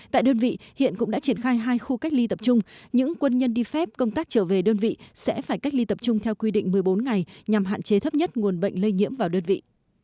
tại đơn vị hiện cũng đã triển khai hai khu cách ly tập trung những quân nhân đi phép công tác trở về đơn vị sẽ phải cách ly tập trung theo quy định một mươi bốn ngày nhằm hạn chế thấp nhất nguồn bệnh lây nhiễm vào đơn vị